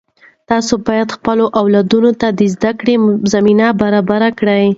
تاسې باید خپلو اولادونو ته د زده کړې زمینه برابره کړئ.